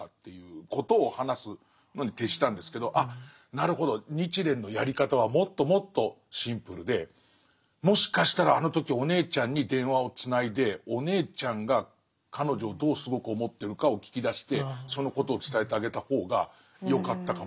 なるほど日蓮のやり方はもっともっとシンプルでもしかしたらあの時お姉ちゃんに電話をつないでお姉ちゃんが彼女をどうすごく思ってるかを聞き出してそのことを伝えてあげた方がよかったかもしれない。